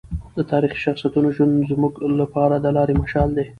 د تاریخي شخصیتونو ژوند زموږ لپاره د لارې مشال دی.